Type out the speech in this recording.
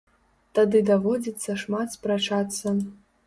Тады даводзіцца шмат спрачацца.